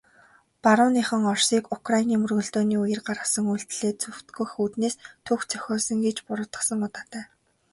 Барууныхан Оросыг Украины мөргөлдөөний үеэр гаргасан үйлдлээ зөвтгөх үүднээс түүх зохиосон гэж буруутгасан удаатай.